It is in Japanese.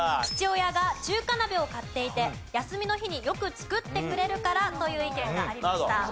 父親が中華鍋を買っていて休みの日によく作ってくれるからという意見がありました。